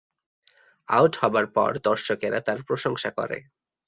Out হবার পর দর্শকেরা তার প্রশংসা করে।